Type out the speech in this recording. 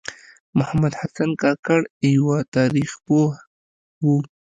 محمد حسن کاکړ یوه تاریخ پوه و .